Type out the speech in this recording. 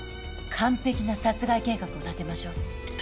完璧な殺害計画を立てましょう。